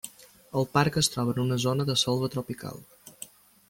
El parc es troba en una zona de selva tropical.